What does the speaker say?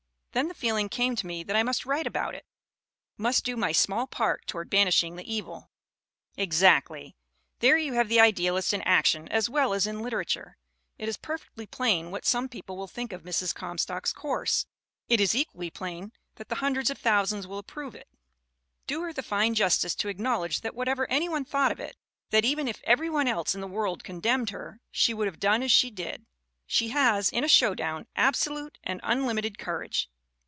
Then the feeling came to me that I must write about it must do my small part toward banishing the evil." Exactly! There you have the idealist in action as well as in literature. It is perfectly plain what some people will think of Mrs. Comstock's course; it is equally plain that hundreds of thousands will approve it. Do her the fine justice to acknowledge that what ever any one thought of it, that even if every one else in the world condemned her, she would have done as she did. She has, in a showdown, absolute and unlimited courage.